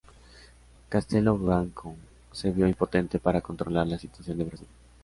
Castelo Branco se vio impotente para controlar la situación de Brasil.